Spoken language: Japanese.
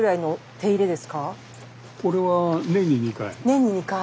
これは年に２回？